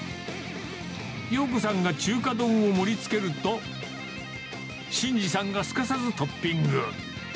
洋子さんが中華丼を盛りつけると、慎司さんがすかさずトッピング。